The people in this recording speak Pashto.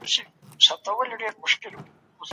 ولي ځيني هیوادونه قونسلګري نه مني؟